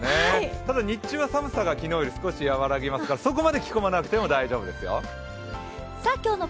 ただ、日中は寒さが昨日より和らぎますからそこまで着込まなくても大丈夫ですよ。